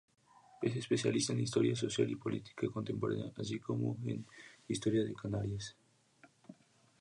Es especialista en "Historia Social y Política Contemporánea", así como en "Historia de Canarias".